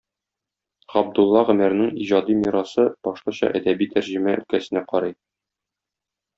Габдулла Гомәрнең иҗади мирасы башлыча әдәби тәрҗемә өлкәсенә карый.